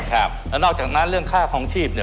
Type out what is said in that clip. ครับแล้วนอกจากนั้นเรื่องค่าคลองชีพเนี่ย